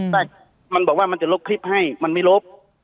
ใช่มันบอกว่ามันจะลบคลิปให้มันไม่ลบ